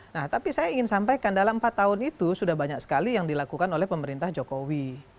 nah tapi saya ingin sampaikan dalam empat tahun itu sudah banyak sekali yang dilakukan oleh pemerintah jokowi